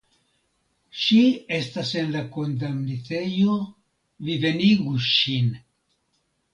Ŝi estas en la kondamnitejo, vi venigu ŝin.